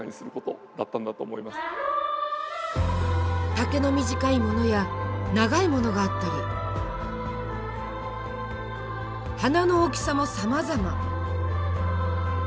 丈の短いものや長いものがあったり花の大きさもさまざま。